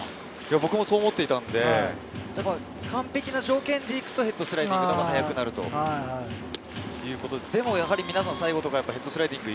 僕もそう思っていたので完璧な条件でいくヘッドスライディングのほうが速くなるということで、皆さん最後ヘッドスライディング。